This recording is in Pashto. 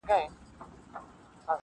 o وخته راسه مرور ستوري پخلا کړو,